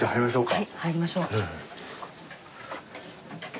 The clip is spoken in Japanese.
はい入りましょう。